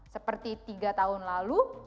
seperti tiga tahun lalu